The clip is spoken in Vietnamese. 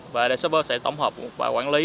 và để server sẽ tổng hợp và quản lý